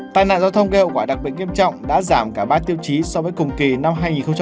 tai nạn giao thông gây hậu quả đặc biệt nghiêm trọng đã giảm cả ba tiêu chí so với cùng kỳ năm hai nghìn một mươi chín